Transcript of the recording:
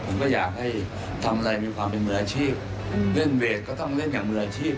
ผมก็อยากให้ทำอะไรมีความเป็นมืออาชีพเล่นเวทก็ต้องเล่นอย่างมืออาชีพ